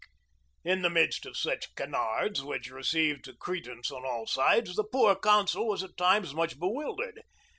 In the midst of such canards, which received cre dence on all sides, the poor consul was at times much bewildered.